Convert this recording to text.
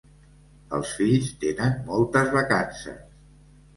Els fills tenen moltes vacances.